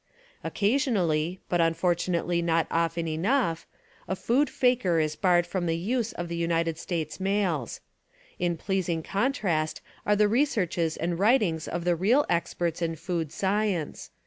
Occasionally — but unfortunately not often enough — a food faker is barred from the use of the United States mails. In pleasing contrast are the researches and writings of the real experts in food science.